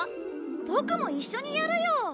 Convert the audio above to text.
ボクも一緒にやるよ。